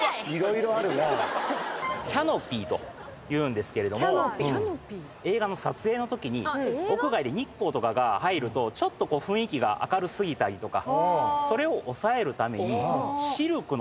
⁉キャノピーというんですけれども映画の撮影のときに屋外で日光とかが入るとちょっとこう雰囲気が明る過ぎたりとか。